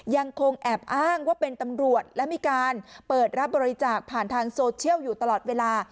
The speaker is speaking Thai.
ยังคงแอบอ้างว่าเป็นตำรวจและมีการเปิดรับบริจาคผ่านทางโซเชียลอยู่ตลอดเวลา